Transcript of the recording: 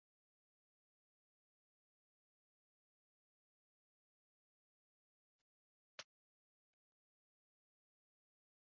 Buni barisi iqtisodiyotda yuqori o‘sish sur’atlarini saqlab qolish uchun